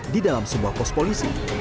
di dalam sebuah pos polisi